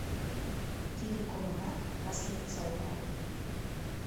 Тидым колынат, Васлица ойла: